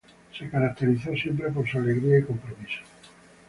Se caracterizó siempre por su alegría y compromiso.